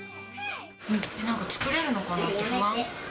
なんか、作れるのかなって不安。